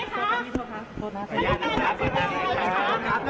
ขอถามหน่อยครับขอถามหน่อยครับ